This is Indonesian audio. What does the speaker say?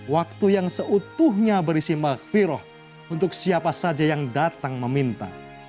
waktu yang seutuhnya berisi maghfirah untuk siapa saja yang datang meminta